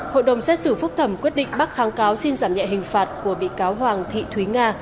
hội đồng xét xử phúc thẩm quyết định bác kháng cáo xin giảm nhẹ hình phạt của bị cáo hoàng thị thúy nga